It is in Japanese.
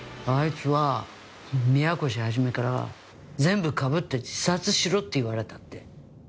あいつは宮越肇から「全部かぶって自殺しろ」って言われたって。